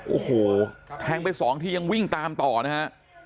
โอ้โหแทงไปสองทียังวิ่งตามต่อนะฮะ